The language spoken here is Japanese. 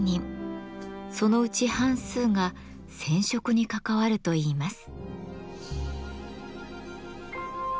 そのうち半数が「染織」に関わるといいます。